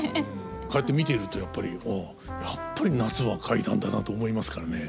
こうやって見てるとやっぱり「ああやっぱり夏は怪談だな」と思いますからね。